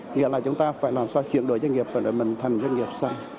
nghĩa là chúng ta phải làm sao chuyển đổi doanh nghiệp của mình thành doanh nghiệp xanh